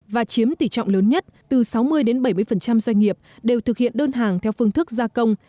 và chiếm tỷ trọng lớn nhất từ sáu mươi bảy mươi doanh nghiệp đều thực hiện đơn hàng theo phương thức gia công